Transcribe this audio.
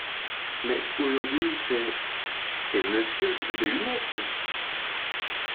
Mais aujourd’hui, c’est… c’est monsieur qui veut des lunettes !…